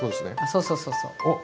そうそうそうそう。